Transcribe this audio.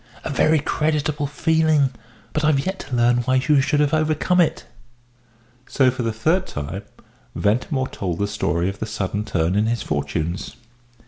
"A very creditable feeling but I've yet to learn why you should have overcome it." So, for the third time, Ventimore told the story of the sudden turn in his fortunes.